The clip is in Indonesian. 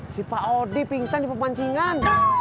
si pak audi pingsan di pemancingan